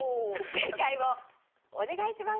正解をお願いします。